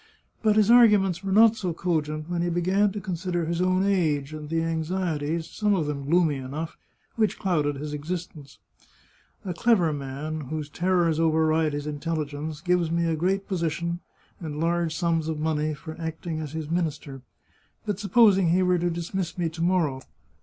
But his arguments were not so cogent when he began to consider his own age, and the anxieties, some of them gloomy enough, which clouded his existence. " A clever man, whose terrors override his intelligence, gives me a great position and large sums of money for acting as his minister. But supposing he were to dismiss me to morrow?